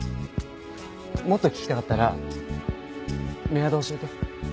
もっと聞きたかったらメアド教えて。